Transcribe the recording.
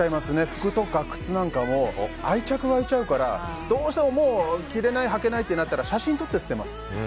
服とか靴なんかも愛着が湧いちゃうからどうしても着れない履けないってなったら写真を撮って捨てます。